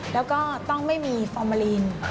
แล้วก็ต้องไม่มีฟอร์มาลีน